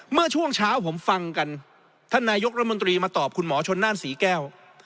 เมื่อช่วงเช้าผมฟังกันท่านนายกรัฐมนตรีมาตอบคุณหมอชนน่านศรีแก้ว